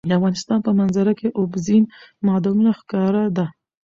د افغانستان په منظره کې اوبزین معدنونه ښکاره ده.